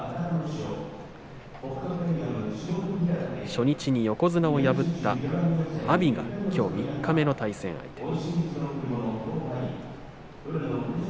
初日に横綱を破った阿炎がきょう三日目の対戦相手。